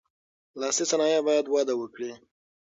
لاسي صنایع باید وده وکړي.